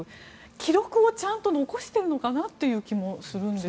記録をちゃんと残しているのかなという気もするんです。